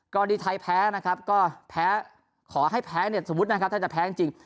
ดีไทยแพ้นะครับก็แพ้ขอให้แพ้เนี่ยสมมุตินะครับถ้าจะแพ้จริง